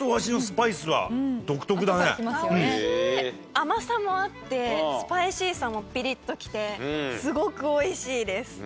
甘さもあってスパイシーさもピリッときてすごく美味しいです。